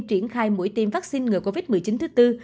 triển khai mũi tiêm vắc xin ngựa covid một mươi chín thứ bốn